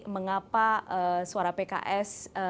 mengapa suara pks